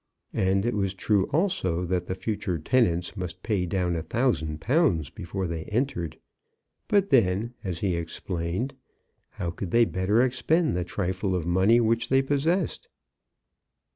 And it was true also that the future tenants must pay down a thousand pounds before they entered; but then, as he explained, how could they better expend the trifle of money which they possessed?